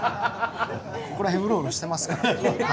ここら辺うろうろしてますから。